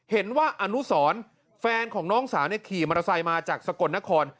เห็นว่าอนุสรแฟนของน้องสาวขี่มอเตอร์ไซค์มาจากสกลนคร